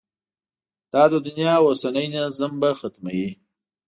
دا د دنیا اوسنی نظم به ختموي.